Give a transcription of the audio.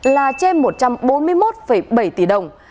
là trên một trăm bốn mươi một bốn triệu đối tượng